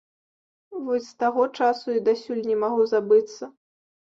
Вось з таго часу і дасюль не магу забыцца.